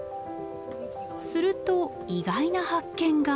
すると意外な発見が。